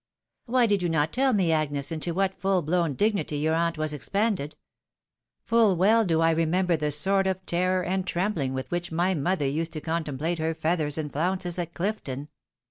" Why did you not tell me, Agnes, into what fuU blown dignity your aunt was expanded ? FuU well do I remember the sort of terror and trembling with which my mother used to con template her feathers and flounces at Chfton.